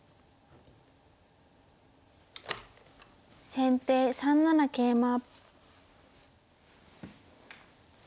先手３七桂馬。